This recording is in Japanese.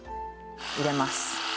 入れます。